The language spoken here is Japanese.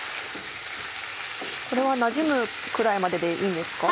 これはなじむくらいまででいいんですか？